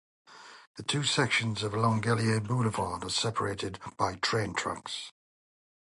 The two sections of Langelier Boulevard are separated by train tracks.